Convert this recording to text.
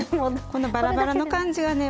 このバラバラの感じがね